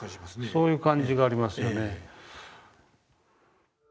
そういう感じがありますよね。